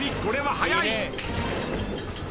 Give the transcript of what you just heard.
これは速い。